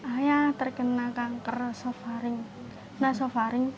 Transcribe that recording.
ayah terkena kanker nasofaring